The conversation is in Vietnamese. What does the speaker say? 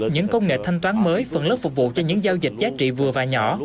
những công nghệ thanh toán mới phần lớp phục vụ cho những giao dịch giá trị vừa và nhỏ